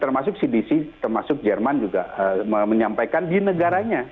termasuk cdc termasuk jerman juga menyampaikan di negaranya